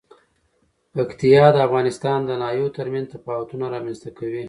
پکتیا د افغانستان د ناحیو ترمنځ تفاوتونه رامنځ ته کوي.